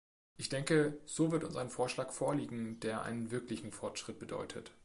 Ich denke, so wird uns ein Vorschlag vorliegen, der einen wirklichen Fortschritt bedeutet.